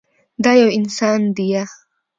دا يو انسان ديه.